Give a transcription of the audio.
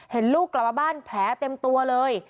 ลูกกลับมาบ้านแผลเต็มตัวเลย